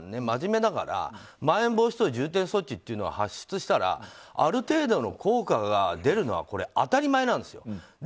真面目だからまん延防止等重点措置というのは発出したらある程度の効果が出るのは当たり前なんですよ。